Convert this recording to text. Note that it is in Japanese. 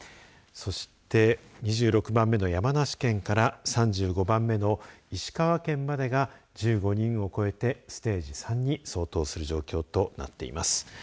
そして、２６番目の山梨県から３５番目の石川県までが１５人を超えてステージ３に相当する状況となっています。